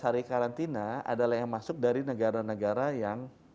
empat hari karantina adalah yang masuk dari negara negara yang